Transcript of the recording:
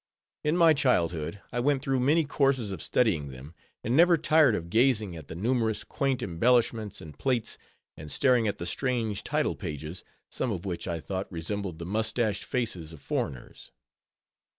In my childhood, I went through many courses of studying them, and never tired of gazing at the numerous quaint embellishments and plates, and staring at the strange title pages, some of which I thought resembled the mustached faces of foreigners.